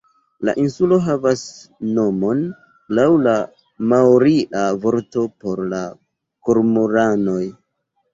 La insulo havas nomon laŭ la maoria vorto por la kormoranoj.